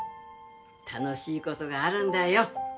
楽しいことがあるんだよ